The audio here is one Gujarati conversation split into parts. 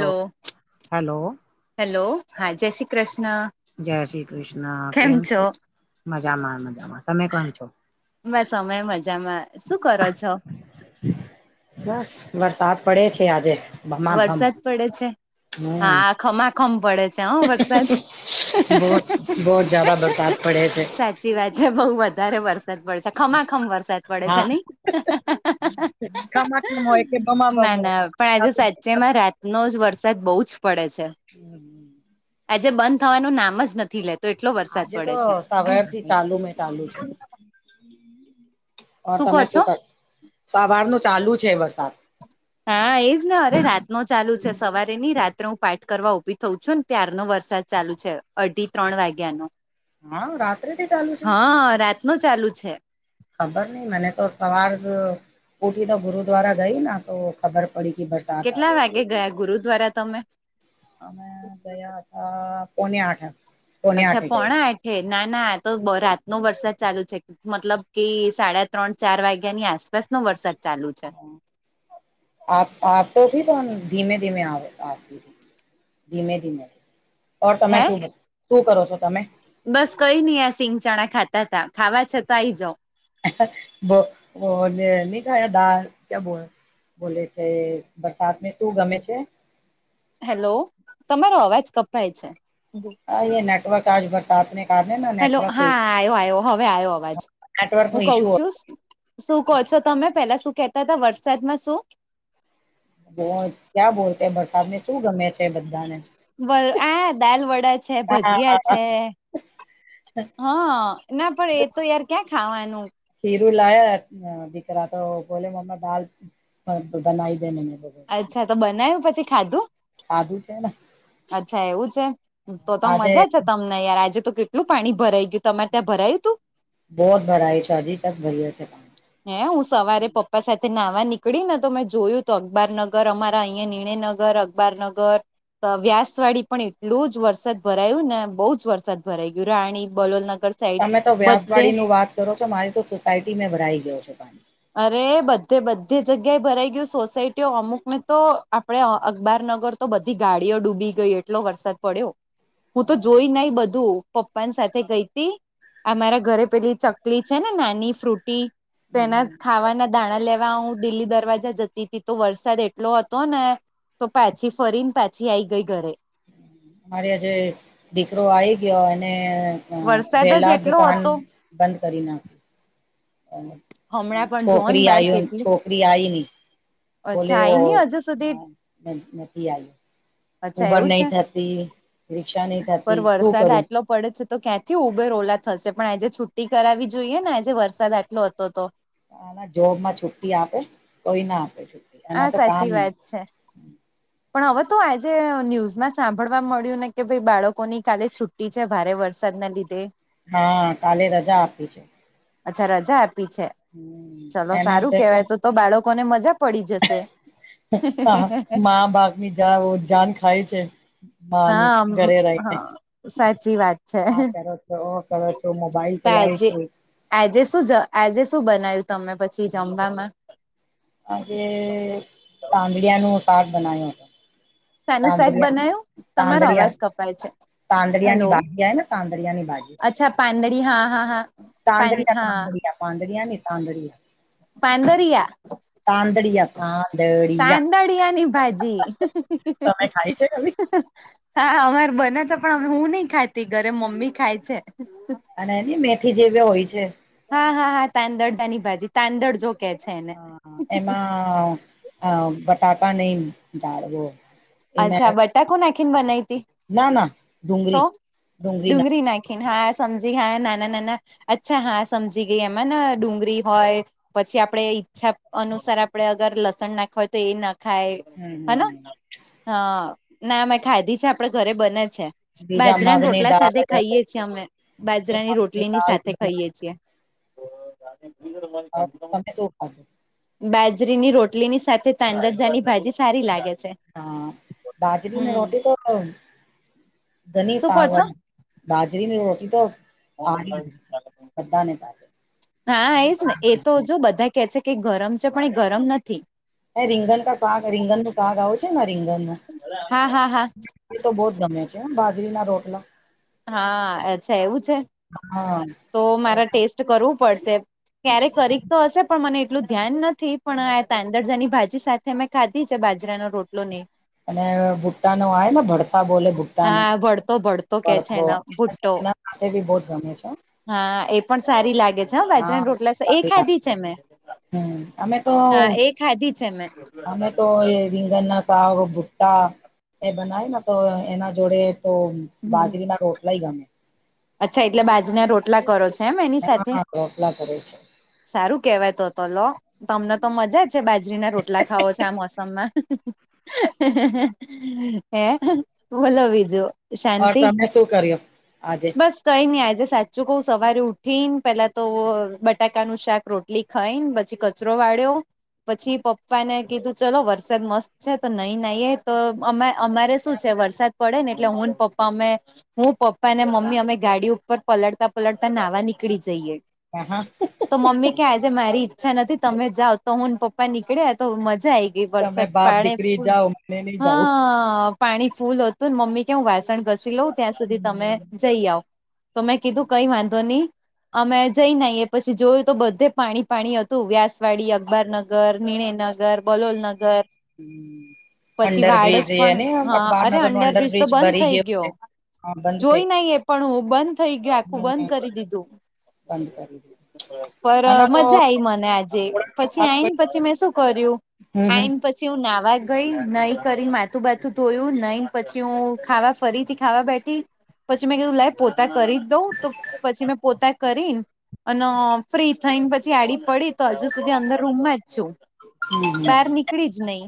હલો હેલો હલો હા જય શ્રી કૃષ્ણ જય શ્રી કૃષ્ણ કેમ છો, મજામા મજામા તમે કોમ છો. બ સમય મજામાં શું કરો છો. બસ વરસાદ પડે છે આજે ભમાભમ વરસાદ પડે છે હમ હા ખમાખમ પડે છે, હમ વરસાદ બહુત બહુત જ્યાદા બરસાત પડે છે સાચી વાત છે બઉ વધારે વરષ વરસાદ પડે છે ખમાખમ વરસાદ પડે હા છે, નહી ખમાખમ હોય કે બમાબમ ના ના પણ હોય આજે સાચેમાં રાતનો જ વરસાદ બહુ જ પડે છે. હમ્મ આજે બંધ થવાનું નામ જ નથી લેતુ આજે તો સવાર થી ચાલુ મે ચાલુ છે. ઓ કહો તમે છો? શું કર સવારનું ચાલુ છે, વરસાદ હા એજ ને અરે રાત નો ચાલુ છે, સવારે ની રાત્રે હું પાઠ કરવા ઉઊભી થઉ છુ, ને ત્યારનોો વરસાદ ચાલુ છે, અઢી ત્રણ વાગ્યા ન હા રાત્રે થી ચાલુ છે હા રાત ન ચાલુ છે. ખબર નહી મેને તો સવાર ઉઠી તો ગુરુદ્વારા ગઈ ના તો ખબર પરીથી વરસાત કેટલા આવે છે. વાગે ગયા ગુરુદ્વારા તમે અમે ગયા હતા પોને આઠ અચ્છા પણણા આઠે ના ના આ તો રાતનોો વરસાદ ચાલુ છે. મતલબ કે સાડા ત્રણ ચાર વાગ્યાની આસપાસ નો વરસાદ ચાલુ છે. આપ આ તોથી પણ ધીમે ધીમેતી ધીમે ધીમે ઓર તમે હે શું શું કરો છો, તમે બસ કઈ નઈ આ સિંગ ચણા ખાતા તા ખાવા છે, તો આઈ જાાવ ન ખાયા દાળ ક્યાં બો બોલે છે, બરસાદને શું ગમે છે. હેલો તમારો અવાજ કપાય છે. હા એ નેટવર્ક આજ ભરતા આપને હેલો હા આવ્યો આવ્યો હવે આવ્યો અવાજ નેટવર્ક નો હું કઉ ઇશ્યુ છુ. શું કહો છો, તમે પેલા શું કેતા હતા વરસાદમાં શુ બો ક્યાં બોલતા ભરસાદ ને શું ગમે છે, બધાને વ આ દાલ વડા છે ભજીયા છે હા ના પણ એ તો યાર ક્યાં ખાવાનું ખીરું લાયા દિકરા તો બોલે મ્ દાલ હ બધ નાઈે નને બ અચ્છા તો બનાવ્યું પછી ખાધું ખાધું છે ને અચ્છા એવું છે તો તો આજે મજા છે તમને યાર આજે તો કેટલું પાણી ભરાઈ ગયું તમારે ત્યાં ભરાયું તું બહત ભરાઈ છે અજી તક ભરાય છે પાણી હે હું સવારે પપ્પા સાથે નાહવા નીકળી ને તો મેં જોયું તો અકબાર નગર અમારા અહીિયાં નિણયનગર અકબારનગર વ્યાસવાડી પણ એટલું જ વરસાદ ભરાયું ને બહુ જ વરસાદ ભરાઈ ગયું રાણી બલોલનગર સાઈડ તમે તો બધે વ્યાસવાડી નું વાત કરો છો મારી તો સોસાયટી મેં ભરાઈ ગયો છે પાણી અરે બધે બધી જગ્યાએ ભરાઈ ગયું સોસાયટીઓ અમુક મેં તો આપડે અકબાર નગર તો બધી ગાડીઓ ડૂબી ગઈ એટલો વરસાદ પડ્યો હું તો જોઈ ના બધું પપ્પા સાથે ગઈ હતી અમારા ઘરે પેલી ચકલી છે ને નાની ફ્રૂટી તેના હમ ખાવાના દાણા લેવા હું દિલ્લી દરવાજા જતી હતી તો વરસાદ એટલો હતો ને તો પાછી ફરીને પાછી આવીઈ ગઈ ઘરે મારે આ જે દીકરો આવી ગયો એને અ વરસાદ જ વહેલા એટલો દુકાન હતો બંધ કરી નાખ હમણાં પણ જોન છોકરી બાર આયું કેટલી છોક રી આઈ ન બોલે અચ્છા આઈ નહી હજુ સુધી આઈ અચ્છા એવું છે રિક્ષા નહી થતી પણ શું વરસાદ કરું આટલો પડે છે તો ક્યાંથી ઉબર ઓલા થશે પણ આજે છુટ્ટી કરાવી જોઈએ ને આજે વરસાદ આટલો હતો હતો જોબમાં છુટ્ટી આપે કોઈ ના આપે છુ હા સાચી વાત છે પણ હવે તો આજે ન્યૂઝમાં સાંભળવા મળ્યું ને કે ભાઈ બાળકો ની કાલે છુ છુટ્ટી છે ભારે વરસાદના લીધે હા કાલે રજા આપી છે અચ્છા રજા આપી છે હમ ચલો એના સારું દેખો કેવાય તો તો બાળકો ને મજા પડી જશે મા બાપ ની જ જાન ખાય છે હ હા ઘરે રહીને હા સાચી વાત છે હા કરો છો ઓ કરો છો મોબાઈલ તો એલા આજે હોય આજે શું આજે શું બનાવ્યું તમે પછી જમવામાં આજે પંગડીયા ન શાક બનાવ્યું હતું શનું શેક તાંદળિયા બનાયું તમારો અવાજ કપાય છે પાંદડીયાની હેલો ભાજીય ને પાંદડિયાની ભાજી અચ્છા પાંદડી હા હા હા પાન તાદડીિયા હા તાદડીિયા પાદડીિયા નની તાદડીિયા પાંદરિયા તાદડીિયા પાંદડી પાંડળીયાની ભાજી તમે ખાય છે કભી હા અમારે બને છે પણ હું નહી ખાતી ઘરે મમ્મી ખાય છે અને એની મેથી જેવી હોય છે હા હા હા તાંદડ જાની ભાજી તાંદડ જો કે છે એને હ બટાકા નહી ડળવો અચ્છા બટાકો નાખીને બનાવી ના ના હતી તો ડુંગળી ડુંગળી ના ડુંગરી નાયખી હા સમજી હા નાના નાના અચ્છા હા સમજી ગઈ એમાં ડુંગળી હોય પછી આપણે ઈચ્છા અનુસાર આપડણે અગર લસણ નાખવા હોય તો એ ના ખાય હમ્મ હન હમ્મ હા ના મેં ખાધી છે આપડે ઘરે બને છે બીજા બાજરાની મગની રોટલા દાળ સાથે ખાઈએ છીએ અમે બાજરાની મગની રોટલી ની દાળ સાથે ખાઈએ છીએ. તોામ તમારે તમે શું ખાધું બાજરીની રોટલી ની સાથે તાંદરજાની ભાજી સારી લાગે છે. હા બાજરીની હમ રોટી તો ધની શું કહો સાગ વા છો બાજરીની રોટી તો આડી છે, બધાને સાથે હા, એશ ને એ તો જો બધા કે છે કે ગરમ છે પણ એ ગરમ નથી. એ રીંગન ક શક રીંગન નું શક આવ છેને, રીંગન હા હા હા એ તો બહુ જ ગમે છે, બાજરી ના રોટલા હા છે, એવું છે. તો હા મારા ટેસ્ટ કરવું પડશે ક્યારે કરી તો હશે પણ મને એટલું ધ્યાન નથી પણ આ તાંદરજાની ભાજી સાથે ત મેં ખાધી છે, બાજરાનો રોટલો ને અને ભુટ્ટા ન આવે ને ભડતા બોલે ભુટ્ટાનુ હા ભળતો ભળતો કે છે વતવો એનો ભુટ્ટો બી બહ ગમે છે. હા એ પણ સારી લાગે છે હ હા વાજરાની રોટલા એ ખાધી છે, મે હમ અમે તો ખાધી છે, મે અમે તો એ રીંગન ના શક ભુટ્ટા એ બનાવે ને તો એના જોડે તો હમ બાજરી ના રોટલાય ગમે અચ્છા એટલે બાજના રોટલા કરો છેો એમ એની સાથે હા રોટલા કરે છે સારું કેવાય તો હતો લો તમને તો મજા જ છે બાજરીના રોટલા ખાવો છે આ મોસમમા હે બોલો બીજુ હર તમે શું કર્યું આજે બસ કઈ નહી આજે સાચું કઉ સવારે ઉઠીને પેલા તો બટાકાનુ શાક રોટ એટલી ખાઈ ને પછી કચરો વાળ્યો પછી પપ્પા ને કીધું ચલો વરસાદ મસ્ત છે, તો નહી નાઈએ તો અ અમારે શું છે વરસાદ પડે ને એટલે હુંને પપ્પા અમે હું પપ્પા ને મમ્મી તમે ગાડી ઉપર પલળતા પલડતા નાહવા નીકળી જઈએ. હા હા તો મમ્મી કે આજે મારી ઈચ્છા નથી તમે જાઓ તો હું પપ્પા નીકળ્યા તો મજા આ આવી ગઈ. તમે વરસાદ બાપ પાણે દીકરી પ જાઓ મને નહી જાવું હા પાણી ફૂલ હતું મમ્મી કે હું વાસણ ઘસી લઉં ત્યાં સુધી તમે હમ જઈ આવઓ તો મેં કીધું કઈ વાંધો નહી. અમે જઈ ના એ પછી જોયુ, તો બધે પાણી પાણી હતું વ્યાસવાડી અખબાર ન નગર નિણે નગર બલોલ નગર હ અંડરબ્રિજ એ પણ એને હા અરે અખબારનગર ન તો અંડરબ્રિજ બંધ બરી થઈ ગયો. હા બંધ જોઈ થઈ. નઈ એ પણ હું બંધ થઇ ગયા આખું બંધ હમ કરી દીધુ બંધ કરી દેએ. પર મજા આઈ મને આજે પછી આઈને પછી મેં શું કર્યું હમ હમ આઈ. પછી હું નાહવા ગઈ નહી કરી માથું બાતું ધોયું નહી પછી હુ ખાવા ફરીથી ખાવા બેઠી મે કીધું લ પોતા કરી જ દઉં તો પછી મેં પોતા કરીને અને ફ્રી થઈ ને પછી એડી પડી તો હજુ સુધી અંદર રૂમમાં જ છુ. હમ બહાર નીકળી જ નહી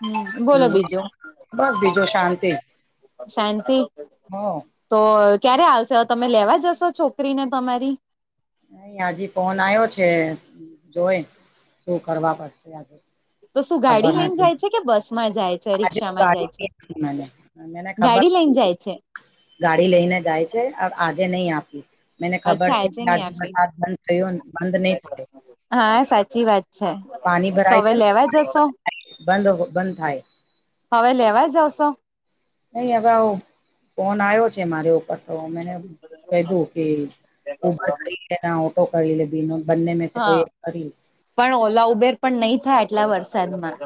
હમ્મ હમ બસ બીજો શાંતિ શાંતિ હ્અ તો ક્યારે આવશે તમે લેવા જશો છોકરીને તમારી.? નહી હજી ફોન આવ્યો છે જોઈ શું કરવા પડશે આજે તો શું ખબર ગાડી લઈને નથી જાય છે કે, બસ માં જાય છે આજે રિક્ષામાં જાય છે.? ગાડી મને મને ખબર ગાડી લઈને જાય છે. ગાડી લઈને જાય છે આજે નહીં આપી. મને ખબર અચ્છા છે કે નહી આજે આપી વરસાદ બંધ થયો બંધ નહી થયો. હા સાચી વાત છે. પાણી તો ભરાય હવે છે ને લેવા જશો.? બંધ બંધ થાય હવે લેવા જાવશો? નહી હવે આવો ફોન આવ્યો છે મારે ઉપર તો મેને કધું કે ઉબર કરી લેને ઓટો કરી લે બી ન બનને મે સે કોઈ હા એક કરી લે. પણ ઓલા ઉબેર પણ નહી થાય આટલા વરસાદમાં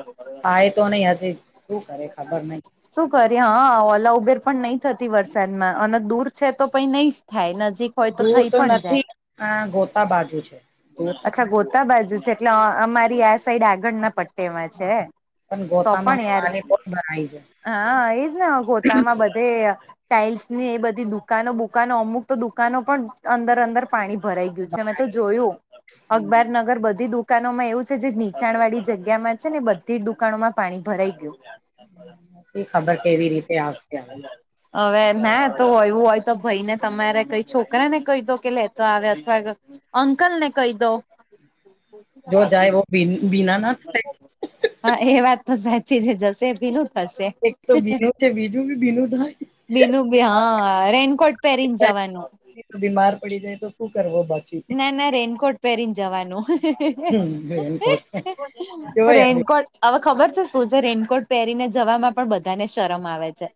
થાય તો નહી શું હજ શું કરે ખબર નહી.? શું કરી હા ઓલા ઉબેર પણ નહી થતી વરસાદમાં અને દૂર છે તો પ નહી જ થાય નજીક હોય દૂર થઈ તો પણ જાય નથી આ ગોતા બાજુ છે. દૂર તો અચ્છા ગોતા બાજુ છે એટલે અમારી આ સાઈડ આગળ ના પટ તેમાં છે પણ તો ગોતામાં પણ યાર, પાણી બહુ ભરાય છે હા એજ ને ગોતામાં બધા એ ટાાઈલ્સ ની એ બધી દુકાનો બુકાનો અમુક તો દુકાનો પણ અંદર અંદર પાણી ભરાઈ ગયું છે મે તો જોયું અખબાર નગર બધી દુકા દુકાનોમાં એવું છે જે નીચાણ વાળી જગ્યામાં છે ને બધી જ દુકાનોમાં પાણી ભરાઈ ગયું. શું ખબર કેવી રીતે આવશે હ હવે ના તો હોયવું હોય તો ભાઈ ને તમારે કઈ છોકરા ને કહી દો કે લેતો આવે અથવા અંકલ ને કહી દો જો જાય વ બિના ના થાય.? હા એ વાત તો સાચી છે જશે ભી ન એક તો ભીનું છે બીજું બી ભીનું થાય. બીનું બી હા રેનકોટ પહેરીને જવાનું તો બીમાર પડી જાય તો શું કરવો? પછી ના ના રેનકોટ પહેરીને જવાનું રેનકોટ જોય હવે રેનકોટ હવે ખબર છે શું છે? રેનકોટ પહેરીને જવામાં પણ બધાને શરમ આવે છે.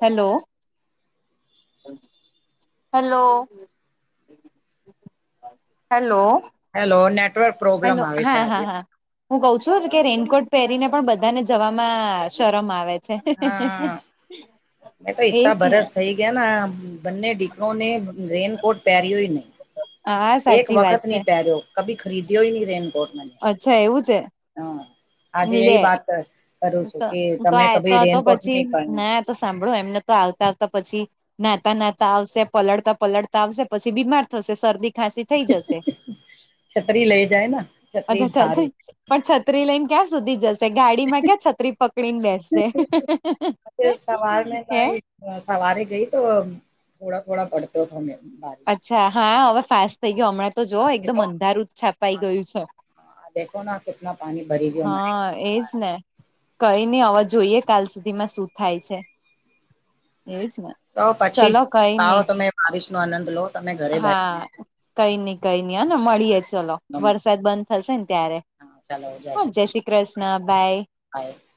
હેલો! હલો [unintelligible] હલી હેલો નેટવર્ક પ્રોબ્લેમ આવે છે આજે. હા હું કઉ છું કે રેનકોટ પહેરીને પણ બધાને જવામાં શરમ આવે. હા એ જ ને! ના બન્ને ડી રેનકોટ પહેર્યો નહી. હા એક સાચી વાત વખત છે નહી પહેર્યો કભી ખરીદ્યો ન રેનકોટ મે. અચ્છા એવું છે.? હા આજે લે એ વાત કરું છું તો કે તમે તો કભી તો રેનકોટ પછી નહી પણ ના તો સાંભળો એમને તો આવતા આવતા પછી નાતા નાતા આવશે પલળતા પલડતા આવશે પછી બીમાર થશે શરદી ખાંસી થઈ જશે. છત્રી લઈ જાય ને છત્રી અચછાચ્છા સારી ઠીક પણ છત્રી લઈને ક્યાં સુધી જશે ગાડીમાં? ક છત્રી પકડીને બેસે સવારમે હે? સવારે ગઈ તો થોડા થોડા પડતો હતો મે બા અચ્છા હા હવે ફાસ થઈ ગયો હમણાં તો જો હા એકદમ અંધારૂત છાપાઈ ગયુ છે, દેખો ના કેટલા પાણી ભરી ગયો અમારે હા એજ ને કઈ નઈ હવે જોઈએ કાલ સુધી માં શું થાય છે. એ છેમાં તો પછી આવાવો તમે બારીિશ નો આનંદ લો તમે ઘરે બેઠ હા કઈ નઈ કઈ નઈ હને મળીયે ચલો વરસાદ બંધ થશે ને ત્યારે ચાલો હા જય શ્રી કૃષ્ણ બાય હ